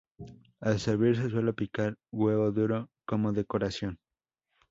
Al servir se suele picar huevo duro como decoración.